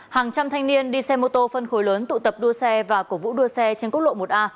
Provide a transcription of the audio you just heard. hàng trăm thanh niên đi xe mô tô phân khối lớn tụ tập đua xe và cổ vũ đua xe trên quốc lộ một a